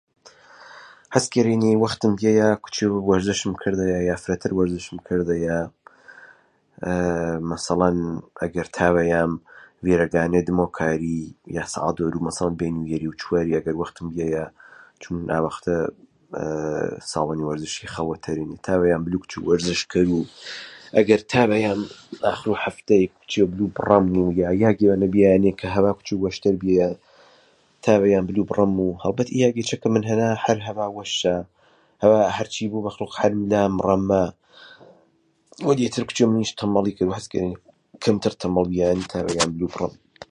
حەز کەرێنێ وەختم بیەیا کوچێڤ وەرزشم کەرذەیا یا فرەتەر وەرزشم کەرذەیا مەسەلەن ئەگەر تاڤەیام ڤێرەگانەی دمەو کاری یا دەروو سەحات چوار و پەنجی ئاڤەختە ئەگەر وەختم بیەیا چوون ئاڤختە ساڵۆنێ وەرزشێێ خەڵوەت تەرێنێ تاڤەیام بلوو کوچێڤ وەرزش کەروو ئەگەر تاڤەیام ئاخروو حەفتەی کوچێڤ بلوو بڕەموو یا یاگێڤە بیەیانێ کە هەڤا کوچێڤ وەشتەر بیەیا تاڤەیام بلوو بڕەموو هەڵبەت ئی یاگێچە کە من هەنا هەر هەڤا وەشا هەڤا هەری بۆ مەخلۆق هەر ملا مرەما. وەلی ئێت منیچ کوچێڤ تەمەڵی کەروو عەز کەرێنێ کەمتەر تەممەڵ بیەیانێ تاڤەیام بلوو بڕەموو